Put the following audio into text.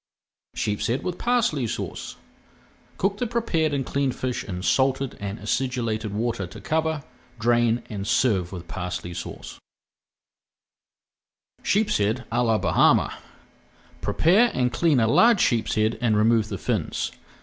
SHEEPSHEAD WITH PARSLEY SAUCE Cook the prepared and cleaned fish in salted and acidulated water to cover, drain, and serve with Parsley Sauce. [Page 357] SHEEP SHEAD À LA BAHAMA Prepare and clean a large sheepshead and remove the fins.